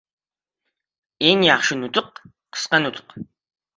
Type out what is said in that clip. • Eng yaxshi nutq — qisqa nutq.